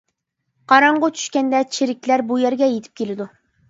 قاراڭغۇ چۈشكەندە چىرىكلەر بۇ يەرگە يېتىپ كېلىدۇ.